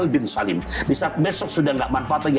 di saat besok sudah gak manfaat lagi